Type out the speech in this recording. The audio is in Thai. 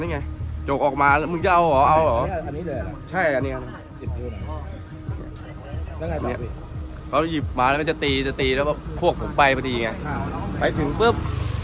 ๑๐นึงยิบมาแล้วจะตีแล้วพวกผมไปพอตีแมงไปถึงปึ๊บ